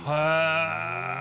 へえ。